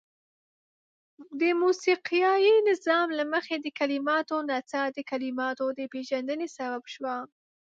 د موسيقايي نظام له مخې د کليماتو نڅاه د کليماتو د پيژندني سبب شوه.